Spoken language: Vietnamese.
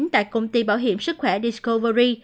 tại công ty bảo hiểm sức khỏe discovery